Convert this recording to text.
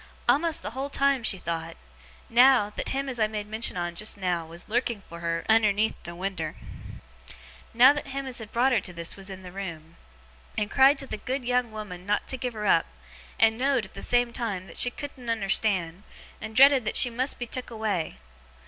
A'most the whole time, she thowt, now, that him as I made mention on just now was lurking for her unnerneath the winder; now that him as had brought her to this was in the room, and cried to the good young woman not to give her up, and know'd, at the same time, that she couldn't unnerstand, and dreaded that she must be took away.